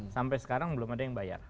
sampai sekarang belum ada yang bayar